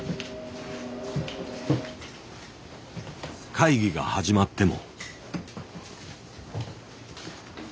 会議が始まっても。